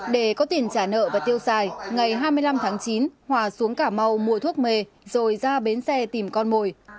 để có tiền trả nợ và tiêu xài ngày hai mươi năm tháng chín hòa xuống cà mau mua thuốc mề rồi ra bến xe tìm con mồi